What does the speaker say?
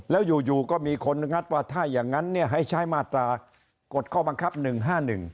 แล้วอยู่อยู่ก็มีคนงัดว่าถ้าอย่างงั้นเนี่ยให้ใช้มาตรากฎข้อบังคับหนึ่งห้าหนึ่ง